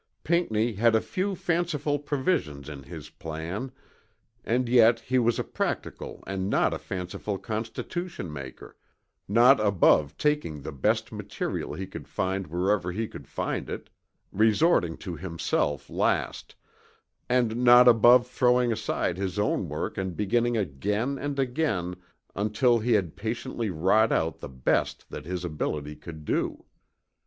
Pinckney had a few fanciful provisions in his plan and yet he was a practical and not a fanciful constitution maker, not above taking the best material he could find wherever he could find it, resorting to himself last; and not above throwing aside his own work and beginning again and again until he had patiently wrought out the best that his ability could do.